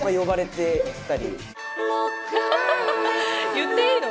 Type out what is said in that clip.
言っていいの？